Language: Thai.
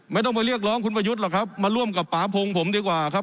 ไม่ต้องไปเรียกร้องคุณประยุทธ์หรอกครับมาร่วมกับป่าพงผมดีกว่าครับ